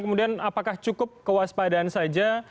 kemudian apakah cukup kewaspadaan saja